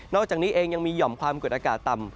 อกจากนี้เองยังมีห่อมความกดอากาศต่ำ